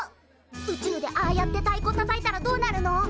宇宙でああやってたいこたたいたらどうなるの？